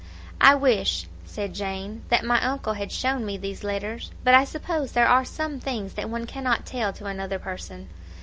"I wish," said Jane, "that my uncle had shown me these letters; but I suppose there are some things that one cannot tell to another person."